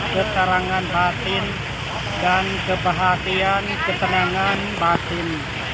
keterangan batin dan kebahagiaan keterangan batin